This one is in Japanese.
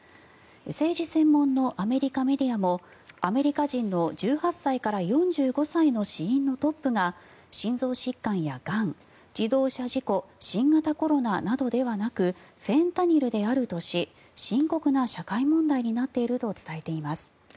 政治専門のアメリカメディアもアメリカ人の１８歳から４５歳の死因のトップが心臓疾患やがん、自動車事故新型コロナなどではなくフェンタニルであるとし深刻な社会問題になっていると伝えています。